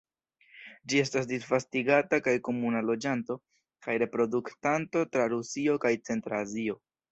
Ĝi estas disvastigata kaj komuna loĝanto kaj reproduktanto tra Rusio kaj centra Azio.